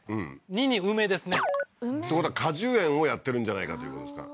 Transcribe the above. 二に梅ですねということは果樹園をやってるんじゃないかということですか？